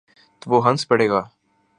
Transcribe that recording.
تو وہ ہنس پڑے گا۔